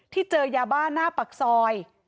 เจอยาบ้าหน้าปากซอย